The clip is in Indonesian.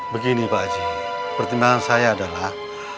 begini pak haji pertimbangan saya adalah